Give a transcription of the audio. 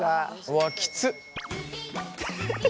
うわきつっ。